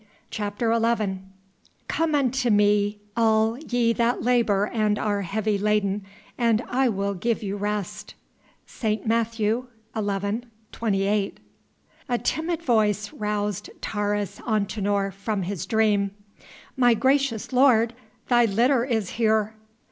CHAPTER XI "Come unto Me, all ye that labour and are heavy laden, and I will give you rest." ST. MATTHEW XI. 28. A timid voice roused Taurus Antinor from his dream: "My gracious lord, thy litter is here!"